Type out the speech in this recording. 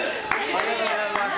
ありがとうございます。